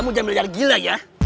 kamu jangan berjalan gila ya